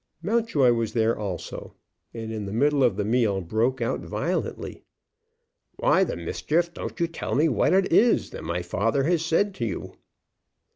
Mountjoy was there also, and in the middle of the meal broke out violently: "Why the mischief don't you tell me what it is that my father has said to you?"